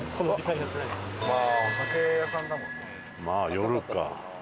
まあ夜か。